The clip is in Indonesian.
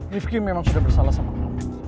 riefki memang sudah bersalah sama kamu